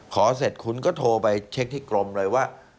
เสร็จคุณก็โทรไปเช็คที่กรมเลยว่า